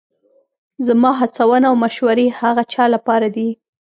زما هڅونه او مشورې هغه چا لپاره دي